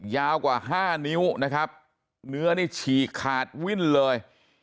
ยาวกว่า๕นิ้วนะครับเนื้อนี่ฉีกขาดวิ่นเลย